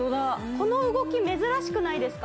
この動き珍しくないですか？